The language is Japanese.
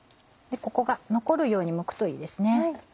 ここが残るようにむくといいですね。